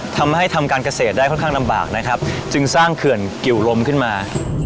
ทำให้ทำการเกษตรได้ค่อนข้างลำบากนะครับจึงสร้างเขื่อนกิวลมขึ้นมา